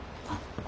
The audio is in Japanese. あっ。